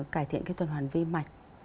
cải thiện cái tuần hoàn vi mạch